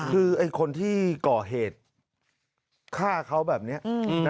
คือคนที่ก่อเหตุฆ่าเขาแบบนี้